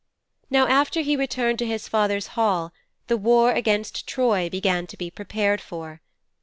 'Now after he returned to his father's hall the war against Troy began to be prepared for.